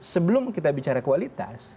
sebelum kita bicara kualitas